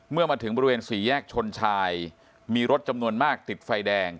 เมื่อมาถึงบริเวณสี่แยกชนชายมีรถจำนวนมากติดไฟแดง